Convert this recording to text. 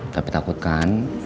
tapi takut kan